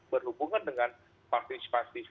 berhubungan dengan partis partis